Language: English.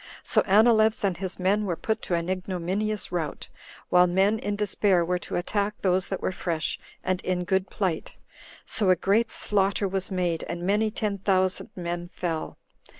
So Anileus and his men were put to an ignominious rout, while men in despair were to attack those that were fresh and in good plight; so a great slaughter was made, and many ten thousand men fell.